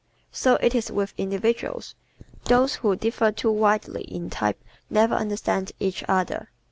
So it is with individuals. Those who differ too widely in type never understand each other.